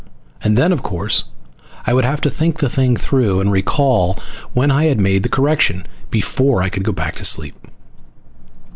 And then, of course, I would have to think the thing through and recall when I had made the correction, before I could go back to sleep.